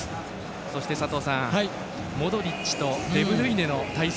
そして佐藤さん、モドリッチとデブルイネの対戦。